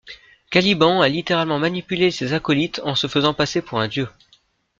Caliban a littéralement manipulé ses acolytes en se faisant passer pour un dieu.